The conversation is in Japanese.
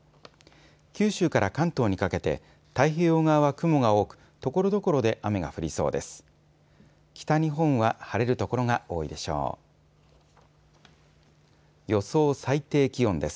九州から関東にかけて太平洋側は雲が多くところどころで雨が降りそうです。